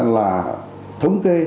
là thống kê